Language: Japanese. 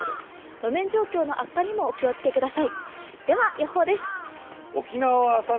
路面状況の悪化にもお気をつけください。